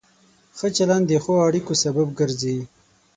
ښه چلند د ښو اړیکو سبب ګرځي.